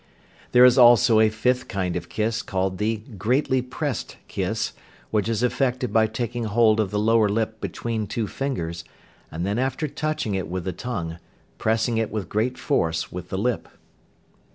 There is also a fifth kind of kiss called the "greatly pressed kiss," which is effected by taking hold of the lower lip between two fingers, and then after touching it with the tongue, pressing it with great force with the lip.